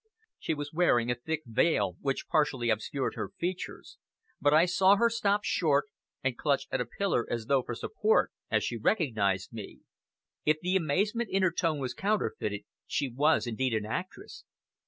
She was wearing a thick veil, which partially obscured her features, but I saw her stop short, and clutch at a pillar as though for support, as she recognized me. If the amazement in her tone was counterfeited, she was indeed an actress.